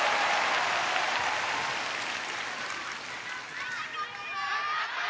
会いたかったよ！